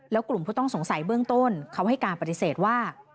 แล้วกลุ่มผู้ต้องสงสัยเบื้องต้นเขาให้การปฏิเสธว่า